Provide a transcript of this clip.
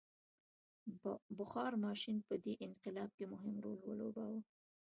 بخار ماشین په دې انقلاب کې مهم رول ولوباوه.